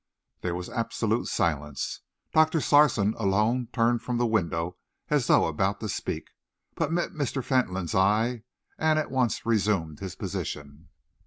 There was absolute silence. Doctor Sarson alone turned from the window as though about to speak, but met Mr. Fentolin's eye and at once resumed his position.